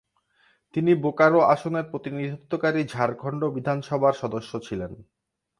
তিনি বোকারো আসনের প্রতিনিধিত্বকারী ঝাড়খণ্ড বিধানসভার সদস্য ছিলেন।